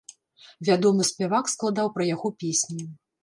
Вядомы спявак складаў пра яго песні.